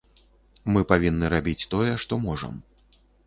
Мы павінны рабіць тое, што можам.